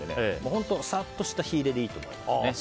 本当、さっとした火入れでいいと思います。